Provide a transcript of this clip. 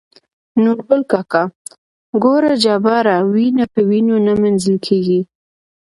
نورګل کاکا :ګوره جباره وينه په وينو نه مينځل کيږي.